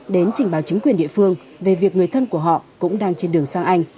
đến trình báo chính quyền địa phương về việc người thân của họ cũng đang trên đường sang anh